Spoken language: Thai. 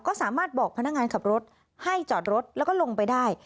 ก็สามารถบอกพนักงานขับรถให้จอดรถแล้วก็ลงไปได้